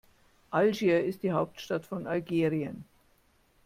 Algier ist die Hauptstadt von Algerien.